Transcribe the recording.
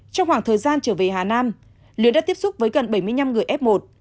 trong khoảng thời gian trở về hà nam lưới đã tiếp xúc với gần bảy mươi năm người f một